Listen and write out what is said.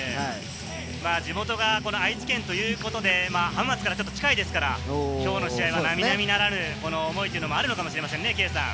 地元が愛知県ということで、浜松から近いですから、きょうの試合は並々ならぬ思いというのもあるのかもしれませんね。